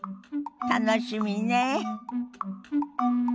楽しみねえ。